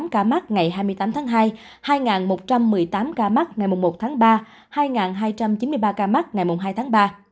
một chín trăm chín mươi tám ca mắc ngày hai mươi tám tháng hai hai một trăm một mươi tám ca mắc ngày một tháng ba hai hai trăm chín mươi ba ca mắc ngày hai tháng ba